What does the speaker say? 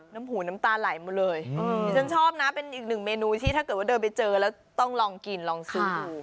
น้ำหูน้ำตาไหลมาเลยดิฉันชอบนะเป็นอีกหนึ่งเมนูที่ถ้าเกิดว่าเดินไปเจอแล้วต้องลองกินลองซื้อดู